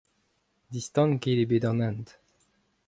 Distanket eo bet an hent.